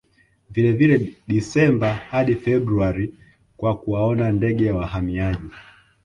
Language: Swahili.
Vilevile Desemba hadi Februari kwa kuwaona ndege wahamiaji